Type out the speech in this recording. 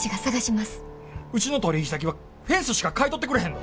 うちの取引先はフェンスしか買い取ってくれへんぞ。